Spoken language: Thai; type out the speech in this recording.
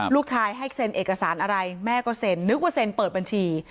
ลูกชายให้เซ็นเอกสารอะไรแม่ก็เซ็นนึกว่าเซ็นเปิดบัญชี